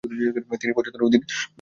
তিনি পঁচাত্তরের অধিক গ্রন্থের লেখক।